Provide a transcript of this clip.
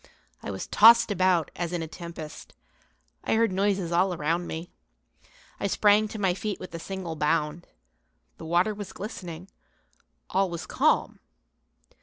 I was tossed about as in a tempest. I heard noises around me. I sprang to my feet with a single bound. The water was glistening, all was calm.